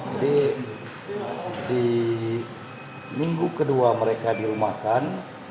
jadi di minggu kedua mereka dirumahkan